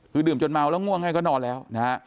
คือดื่มจนเมาแล้วง่วงให้ก็นอนแล้วนะฮะ